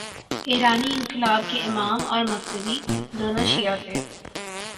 ایرانی انقلاب کے امام اور مقتدی، دونوں شیعہ تھے۔